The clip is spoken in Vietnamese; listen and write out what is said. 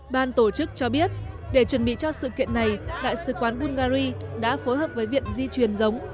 ban tổ chức cho biết để chuẩn bị cho sự kiện này đại sứ quán bungary đã phối hợp với viện di truyền giống